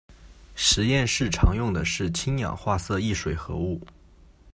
实验室常用的是氢氧化铯一水合物。